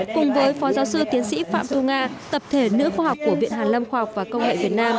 cùng với phó giáo sư tiến sĩ phạm thu nga tập thể nữ khoa học của viện hàn lâm khoa học và công nghệ việt nam